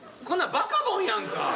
こんなんバカボンやんか。